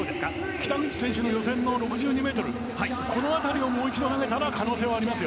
北口選手の予選の６２ｍこの辺りをもう一度投げたら可能性はありますよ。